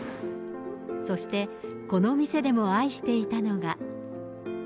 そして、この店でも愛していたのが。